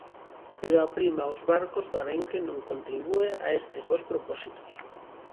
Pero a prima aos barcos do arenque non contribúe a estes bos propósitos.